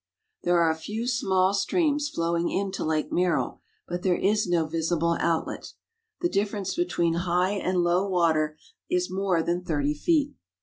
There are a few small streams flowing into Lake Merrill, but thL're is no visible outlet. The ditference between high and low water is more than thirty feet.